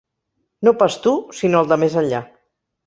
No pas tu sinó el de més enllà.